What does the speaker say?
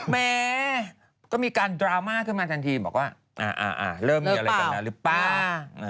แม่ก็มีการดราม่าขึ้นมาทันทีบอกว่าเริ่มมีอะไรกันแล้วหรือเปล่า